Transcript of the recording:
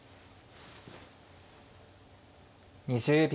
２０秒。